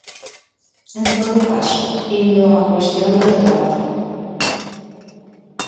En todo caso, indo á cuestión do debate.